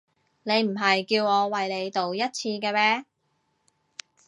你唔係叫我為你賭一次嘅咩？